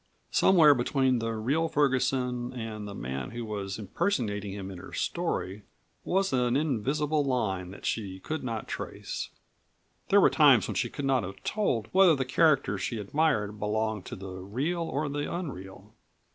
Somewhere between the real Ferguson and the man who was impersonating him in her story was an invisible line that she could not trace. There were times when she could not have told whether the character she admired belonged to the real or the unreal.